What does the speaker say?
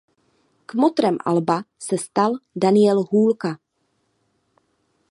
Kmotrem alba se stal Daniel Hůlka.